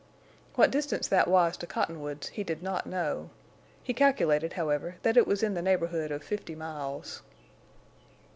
What distance that was to Cottonwoods he did not know; he calculated, however, that it was in the neighborhood of fifty miles.